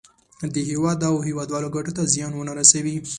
د هېواد او هېوادوالو ګټو ته زیان ونه رسوي.